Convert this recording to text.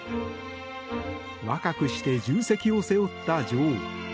若くして重責を背負った女王。